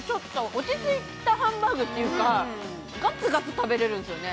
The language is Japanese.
落ちついたハンバーグというか、がつがつ食べれるんですよね。